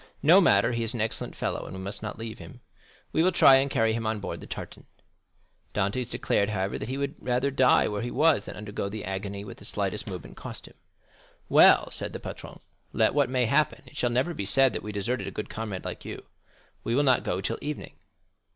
"No matter; he is an excellent fellow, and we must not leave him. We will try and carry him on board the tartan." Dantès declared, however, that he would rather die where he was than undergo the agony which the slightest movement cost him. "Well," said the patron, "let what may happen, it shall never be said that we deserted a good comrade like you. We will not go till evening."